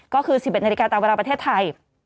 ก็คือ๑๑นาฬิกาตามเวลาประเทศไทย